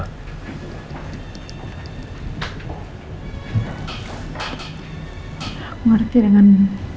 aku ngerti dengan